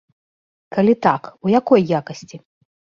Калі так, у якой якасці?